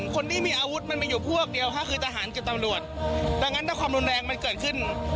คนที่มีอาวุธมันมีอยู่พวกเดียวค่ะคือทหารกับตำรวจดังนั้นถ้าความรุนแรงมันเกิดขึ้น